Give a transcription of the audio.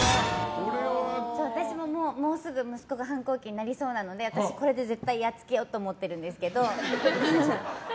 私も、もうすぐ息子が反抗期になりそうなので私、これで絶対にやっつけようと思ってるんですけど。